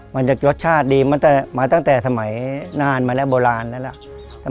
มันจะรสชาติดีมาตั้งแต่สมัยนานมาแล้วโบราณแล้วล่ะ